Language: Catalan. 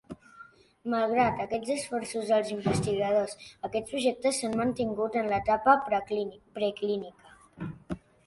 Malgrat aquests esforços dels investigadors, aquests projectes s'han mantingut en l'etapa preclínica.